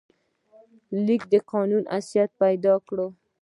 لیک د قانون حیثیت پیدا کړ.